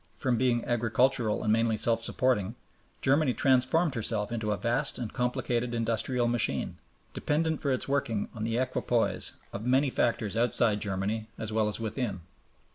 From being agricultural and mainly self supporting, Germany transformed herself into a vast and complicated industrial machine, dependent for its working on the equipoise of many factors outside Germany as well as within.